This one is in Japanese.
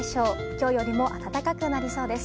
今日よりも暖かくなりそうです。